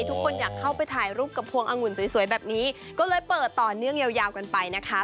ทุกคนอยากเข้าไปถ่ายรูปกับพวงองุ่นสวยแบบนี้ก็เลยเปิดต่อเนื่องยาวกันไปนะคะ